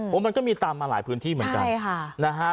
มันก็มีตามมาหลายพื้นที่เหมือนกันใช่ค่ะนะฮะ